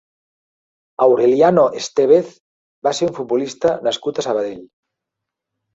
Aureliano Estévez va ser un futbolista nascut a Sabadell.